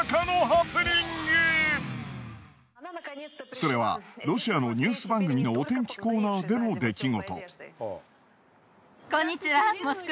それはロシアのニュース番組のお天気コーナーでの出来事。